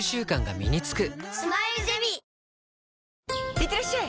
いってらっしゃい！